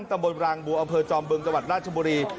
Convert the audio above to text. ตำบลรางบัวอำเภอจอมบึงจังหวัดราชบุรี